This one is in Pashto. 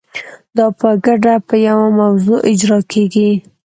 دا په ګډه په یوه موضوع اجرا کیږي.